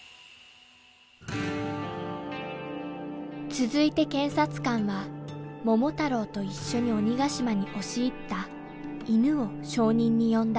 続いて検察官は桃太郎と一緒に鬼ヶ島に押し入った犬を証人に呼んだ。